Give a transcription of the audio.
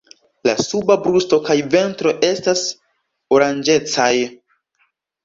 La suba brusto kaj ventro estas oranĝecaj.